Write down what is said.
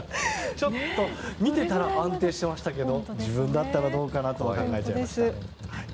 ちょっと、見ていたら安定してましたけど自分だったらどうかなと考えちゃいます。